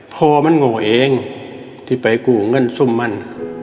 พ่อมันโง่เองที่ไปกู้เงินซุ่มมัน